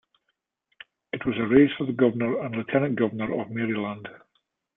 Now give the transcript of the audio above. It was a race for the Governor and Lieutenant Governor of Maryland.